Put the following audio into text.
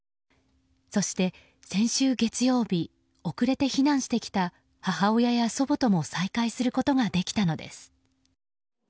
そして先週月曜日遅れて避難してきた母親や祖母とも再会することができたのです。